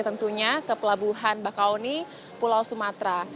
tentu saja ke pelabuhan mbak kaoni pulau sumatra